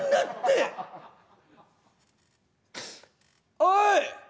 「おい！